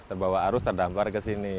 terbawa arus terdampar ke sini